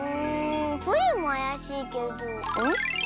プリンもあやしいけどん？